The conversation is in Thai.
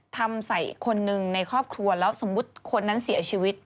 ทำใส่คนหนึ่งในครอบครัวแล้วสมมุติคนนั้นเสียชีวิต